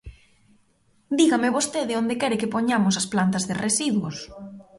¡Dígame vostede onde quere que poñamos as plantas de residuos!